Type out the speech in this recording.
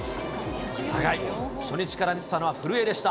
初日から見せたのは古江でした。